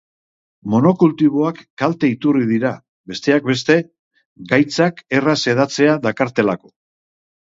Monokultiboak kalte iturri dira, besteak beste, gaitzak erraz hedatzea dakartelako.